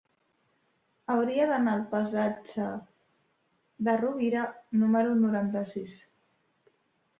Hauria d'anar al passatge de Rovira número noranta-sis.